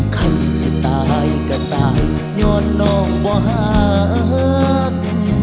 ใครสิตายก็ตายย้อนน้องบ่หัก